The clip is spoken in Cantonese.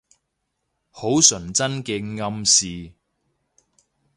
好純真嘅暗示